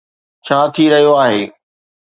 ڇا ٿي رهيو آهي